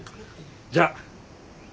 じゃあご